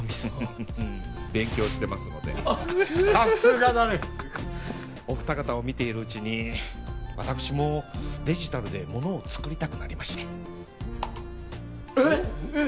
フフフフー勉強してますのでさすがだねお二方を見ているうちに私もデジタルでモノを作りたくなりましてえっ！？